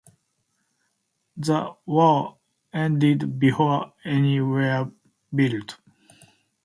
The war ended before any were built.